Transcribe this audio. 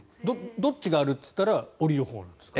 どっちがあるかといったら下りるほうなんですか？